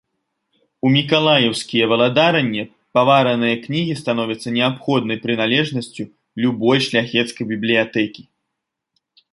У мікалаеўскія валадаранне павараныя кнігі становяцца неабходнай прыналежнасцю любой шляхецкай бібліятэкі.